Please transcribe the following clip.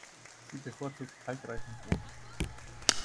Sie bevorzugt kalkreichen Boden.